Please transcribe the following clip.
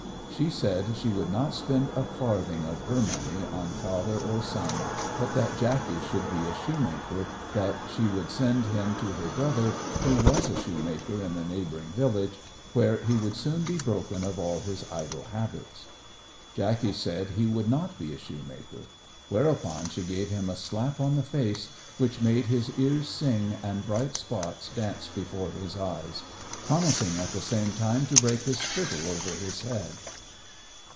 She said she would not spend a farthing of her money on father or son, but that Jackey should be a shoemaker; that she would send him to her brother, who was a shoemaker in a neighbouring village, where he would soon be broken of his idle habits. Jackey said he would not be a shoemaker; whereupon she gave him a slap on the face, which made his ears sing and bright spots dance before his eyes, promising at the same time to break his fiddle over his head.